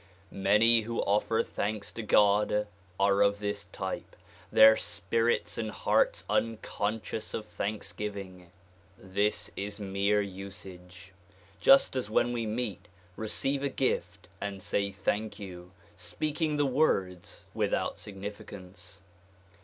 Many who offer thanks to God are of this type; their spirits and hearts unconscious of thanks giving. This is mere usage, just as when we meet, receive a gift and say "thank you, "speaking the words without significance.